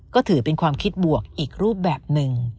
ก็ถือเป็นความคิดบวกอีกรูปแบบหนึ่ง